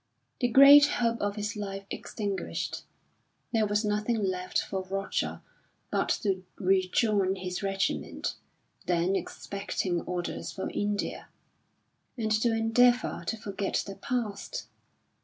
The great hope of his life extinguished, there was nothing left for Roger but to rejoin his regiment, then expecting orders for India, and to endeavour to forget the past.